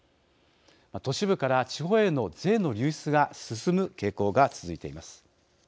都市部から地方への税の流出が進む傾向が続いています。